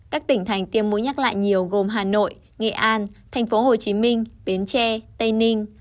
các tỉnh thành tiêm mũi nhắc lại nhiều gồm hà nội nghệ an tp hcm biến tre tây ninh